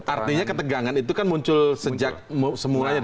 artinya ketegangan itu muncul sejak semuanya